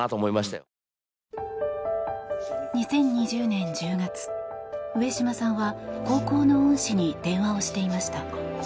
２０２０年１０月上島さんは高校の恩師に電話をしていました。